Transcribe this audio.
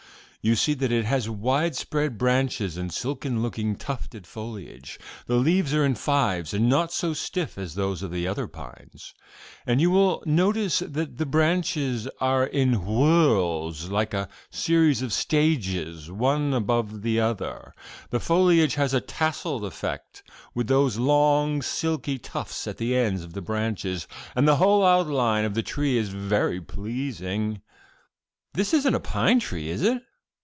You see that it has widespread branches and silken looking, tufted foliage. The leaves are in fives and not so stiff as those of the other pines, and you will notice that the branches are in whorls, like a series of stages one above another. The foliage has a tasseled effect with those long silky tufts at the ends of the branches, and the whole outline of the tree is very pleasing." "This isn't a pine tree, is it?"